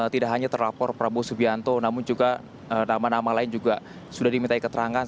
tidak hanya terlapor prabowo subianto namun juga nama nama lain juga sudah diminta keterangan